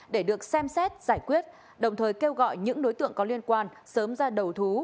để được xem xét giải quyết đồng thời kêu gọi những đối tượng có liên quan sớm ra đầu thú